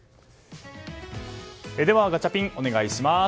では、ガチャピンお願いします。